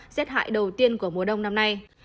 rét hại đầu tiên của mùa đông năm nay